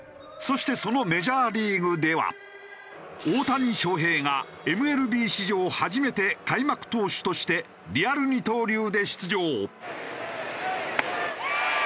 そしてその大谷翔平がＭＬＢ史上初めて開幕投手としてリアル二刀流で出場。